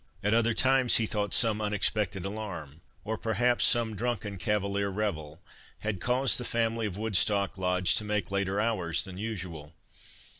At other times he thought some unexpected alarm, or perhaps some drunken cavalier revel, had caused the family of Woodstock Lodge to make later hours than usual.